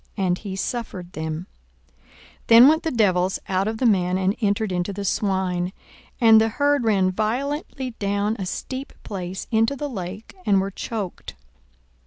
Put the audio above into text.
And he suffered them. 42:008:033 Then went the devils out of the man, and entered into the swine: and the herd ran violently down a steep place into the lake, and were choked.